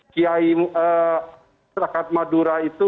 kiai masyarakat madura itu